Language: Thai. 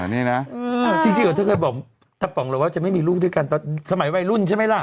นี่นะที่เกิดบอกท่านป๋องว่าจะไม่มีลูกด้วยกันตอนสมัยวัยรุ่นใช่ไหมล่ะ